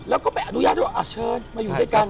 แล้วก็ไปอนุญาตว่าเชิญมาอยู่ด้วยกันมากินด้วยกัน